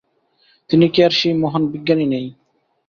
তিনি কি আর সেই মহান বিজ্ঞানী নেই।